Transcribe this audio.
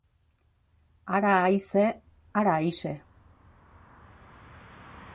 Hara haize, hara aise.